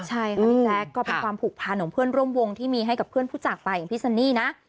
ใช่ค่ะพี่แจ๊คก็เป็นความผูกพันของเพื่อนร่วมวงที่มีให้กับเพื่อนผู้จากไปอย่างพี่ซันนี่นะ